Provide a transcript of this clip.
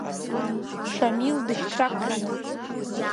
Шамил дышьҭрақәҟьаны.